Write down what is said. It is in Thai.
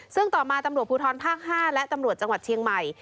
ซึ่งต่อมาตำรวจภูทรภาค๕และตำรวจจังหวัดเชียงใหม่